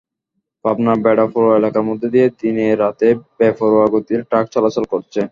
পাবনার বেড়া পৌর এলাকার মধ্য দিয়ে দিনে-রাতে বেপরোয়া গতিতে ট্রাক চলাচল করছে।